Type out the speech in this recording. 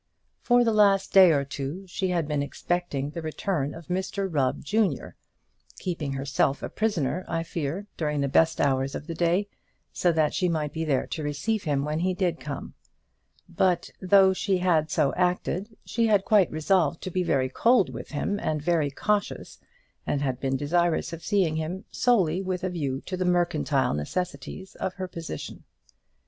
For the last day or two she had been expecting the return of Mr Rubb, junior keeping herself a prisoner, I fear, during the best hours of the day, so that she might be there to receive him when he did come; but though she had so acted, she had quite resolved to be very cold with him, and very cautious, and had been desirous of seeing him solely with a view to the mercantile necessities of her position.